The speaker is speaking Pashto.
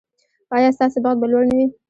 ایا ستاسو بخت به لوړ نه وي؟